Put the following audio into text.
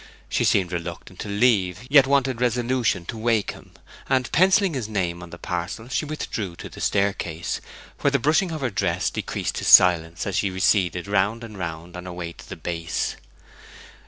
She seemed reluctant to leave, yet wanted resolution to wake him; and, pencilling his name on the parcel, she withdrew to the staircase, where the brushing of her dress decreased to silence as she receded round and round on her way to the base.